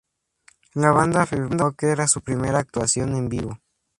La banda afirmó que era su primera actuación en vivo.